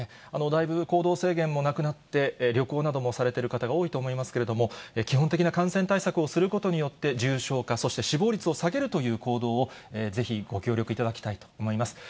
だいぶ行動制限もなくなって、旅行などもされている方が多いと思いますけれども、基本的な感染対策をすることによって、重症化、そして死亡率を下げるという行動を、ぜひご協力いただきたいと思います。